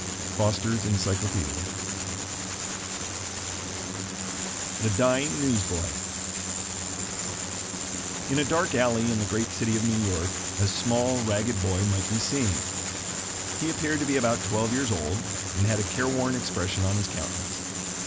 Foster's Encyclopedia THE DYING NEWS BOY In a dark alley in the great city of New York, a small, ragged boy might be seen. He appeared to be about twelve years old, and had a careworn expression on his countenance.